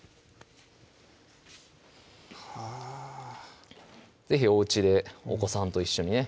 はぁ是非おうちでお子さんと一緒にね